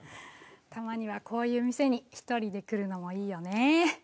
たまにはこういう店に１人で来るのもいいよね。